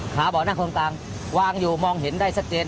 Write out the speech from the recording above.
บ่อนั่งคนกลางวางอยู่มองเห็นได้ชัดเจน